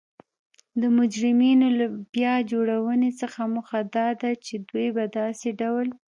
د مجرمینو له بیا جوړونې څخه موخه دا ده چی دوی په داسې ډول